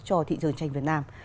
cho thị trường tranh việt nam